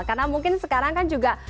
karena mungkin sekarang kan juga